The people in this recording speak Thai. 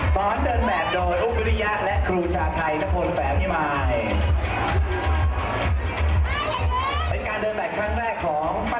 สอนเดินแบบโดยอุปิริยะและครูชาไทยนับทนแฝงพี่มาย